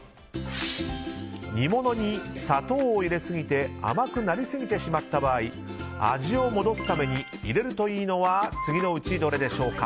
煮物に砂糖を入れすぎて甘くなりすぎてしまった場合味を戻すために入れるといいのは次のうち、どれでしょうか。